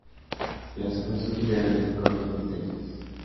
Las hojas son generalmente cortas y estrechas.